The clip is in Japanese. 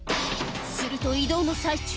すると移動の最中